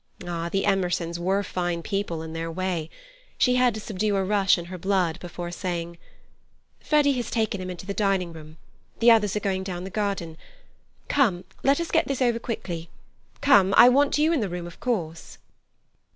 Ah! The Emersons were fine people in their way. She had to subdue a rush in her blood before saying: "Freddy has taken him into the dining room. The others are going down the garden. Come. Let us get this over quickly. Come. I want you in the room, of course."